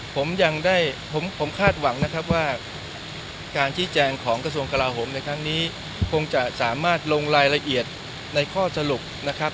ผมยังได้ผมคาดหวังนะครับว่าการชี้แจงของกระทรวงกลาโหมในครั้งนี้คงจะสามารถลงรายละเอียดในข้อสรุปนะครับ